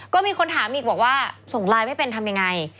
ก็มีคนถามอีกบอกว่าส่งไลน์ไม่เป็นทำยังไง